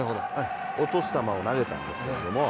落とす球を投げたんですけども。